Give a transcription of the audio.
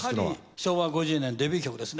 昭和５０年デビュー曲ですね。